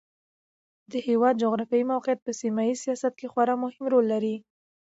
د هېواد جغرافیایي موقعیت په سیمه ییز سیاست کې خورا مهم رول لري.